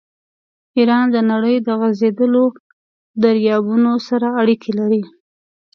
ایران د نړۍ د غځېدلو دریابونو سره اړیکې لري.